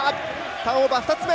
ターンオーバー２つ目！